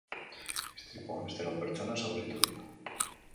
Istripuan beste lau pertsona zauritu dira.